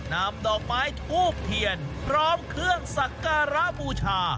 นำดอกไม้ทูบเทียนพร้อมเครื่องสักการะบูชา